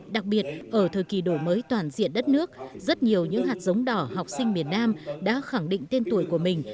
đặc biệt ở thời kỳ đổi mới toàn diện đất nước rất nhiều những hạt giống đỏ học sinh miền nam đã khẳng định tên tuổi của mình